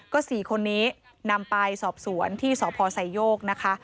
ก็๔คนนี้นำไปสอบสวนที่สพไซโยกนะคะ